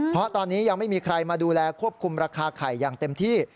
เพราะตอนนี้ยังไม่มีใครมาดูแลควบคุมราคาไข่อย่างเต็มที่